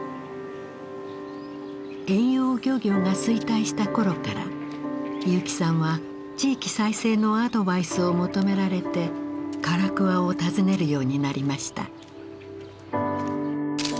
遠洋漁業が衰退した頃から結城さんは地域再生のアドバイスを求められて唐桑を訪ねるようになりました。